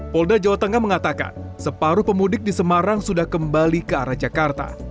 polda jawa tengah mengatakan separuh pemudik di semarang sudah kembali ke arah jakarta